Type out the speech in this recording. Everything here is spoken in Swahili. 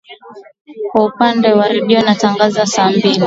Kwa upande wa redio inatangaza saa mbili